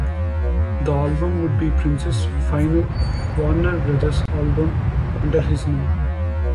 The album would be Prince's final Warner Brothers album under his name.